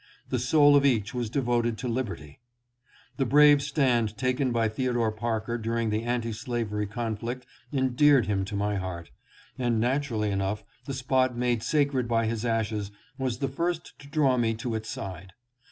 The soul of each was devoted to liberty. The brave stand taken by Theodore Parker during the anti slavery conflict endeared him to my heart, and naturally enough the spot made sacred by his ashes was the first to draw me to its side.